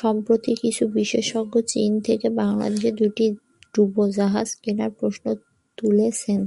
সম্প্রতি কিছু বিশেষজ্ঞ চীন থেকে বাংলাদেশ দুটি ডুবোজাহাজ কেনায় প্রশ্ন তুলেছেন।